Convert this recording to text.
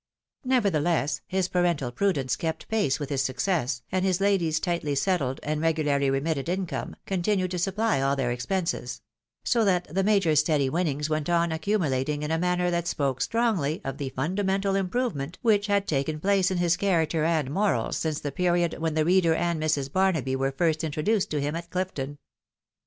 Nevertheless, his parental prudence kept pace with his success, and his lady's tightly settled, and regularly remitted income, continued to supply all their ex penses ; so that the Major's steady winnings went on accumu lating in a manner that spoke strongly of the fundamental improvement which had taken place in his character and morals since the period when the reader and Mrs. Barnaby were first introduced to him at Clifton.